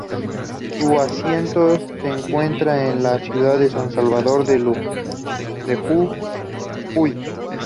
Su asiento se encuentra en la ciudad de San Salvador de Jujuy.